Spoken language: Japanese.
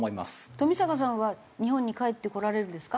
冨坂さんは日本に帰ってこられるんですか？